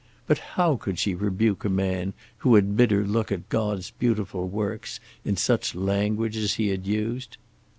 But how could she rebuke a man who had bid her look at God's beautiful works in such language as he had used?